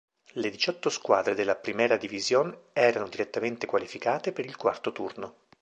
Le diciotto squadre della Primera División erano direttamente qualificate per il quarto turno.